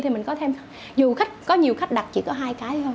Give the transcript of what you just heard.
thì mình có thêm dù có nhiều khách đặt chỉ có hai cái thôi